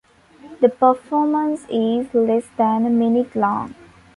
The performance is less than a minute long.